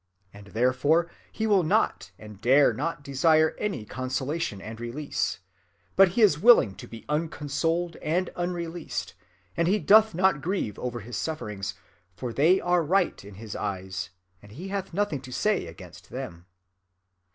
And therefore he will not and dare not desire any consolation and release; but he is willing to be unconsoled and unreleased; and he doth not grieve over his sufferings, for they are right in his eyes, and he hath nothing to say against them.